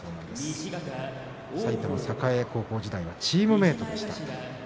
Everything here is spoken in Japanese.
埼玉栄高校時代はチームメートでした。